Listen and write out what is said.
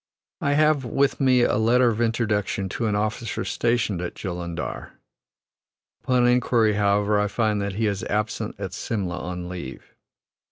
I have with me a letter of introduction to an officer stationed at Jullundar. Upon inquiry, however, I find that he is absent at Simla on leave.